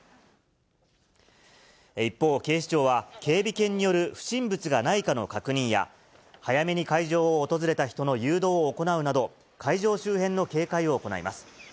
一方、警視庁は、警備犬による不審物がないかの確認や、早めに会場を訪れた人の誘導を行うなど、会場周辺の警戒を行います。